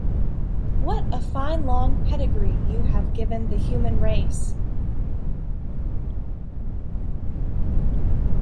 What a fine long pedigree you have given the Human Race!